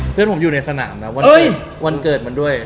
เพื่อนผมอยู่ในสนามนะวันเกิดมันด้วย